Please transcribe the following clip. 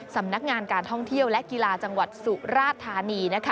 สำนักงานการท่องเที่ยวและกีฬาจังหวัดสุราธานี